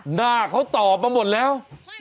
หน้าเขาตอบมาหมดแล้ว